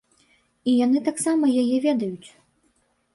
І яны таксама яе ведаюць!